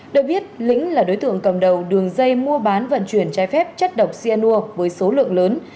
được biết lĩnh là đối tượng cầm đầu đường dây mua bán vận chuyển trái phép chất độc cyanur với số lượng lớn